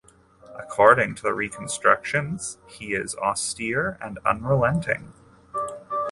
According to the reconstructions, he is austere and unrelenting.